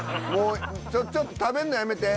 ちょっと食べんのやめて。